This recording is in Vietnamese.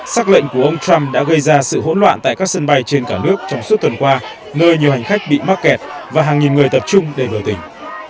xác lệnh của ông trump đã gây ra sự hỗn loạn tại các sân bay trên cả nước trong suốt tuần qua nơi nhiều hành khách bị mắc kẹt và hàng nghìn người tập trung để biểu tình